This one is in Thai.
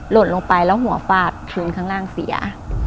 ลงไปแล้วหัวฟาดพื้นข้างล่างเสีย